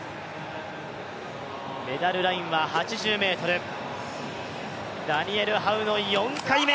メダルラインは８０ｍ、ダニエル・ハウの４回目。